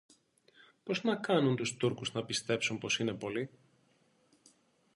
Πώς να κάνουν τους Τούρκους να πιστέψουν πως είναι πολλοί;